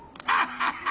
・ハハハハハ！